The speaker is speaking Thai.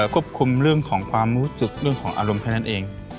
ควบคุมเรื่องของความรู้สึกเรื่องของอารมณ์แค่นั้นเอง